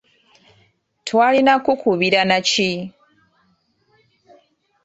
Twalina kukubira na ki?